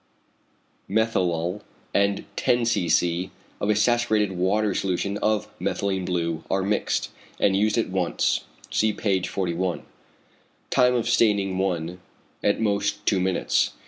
methylal, and 10 c.c. of a saturated watery solution of methylene blue are mixed, and used at once, see page 41. Time of staining 1, at most 2 minutes.